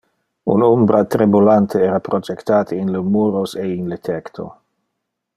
Un umbra tremulante era projectate in le muros e in le tecto.